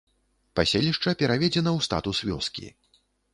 Паселішча пераведзена ў статус вёскі.